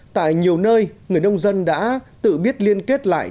tại nhiều nơi người nông dân đã tự biết liên kết lại